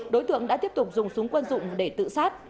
đối tượng đã tiếp tục dùng súng quân dụng để tự sát